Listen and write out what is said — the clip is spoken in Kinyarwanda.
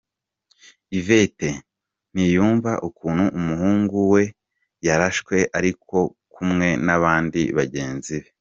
Yvette ntiyumva ukuntu umuhungu we yarashwe ari kumwe nabandi bagenzi be.